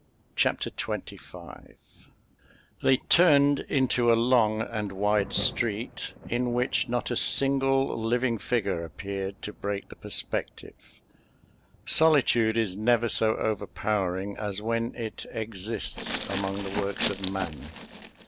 Chapter XXV They turned into a long and wide street, in which not a single living figure appeared to break the perspective. Solitude is never so overpowering as when it exists among the works of man.